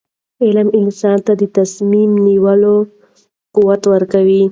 علم انسان ته د تصمیم نیولو قوت ورکوي.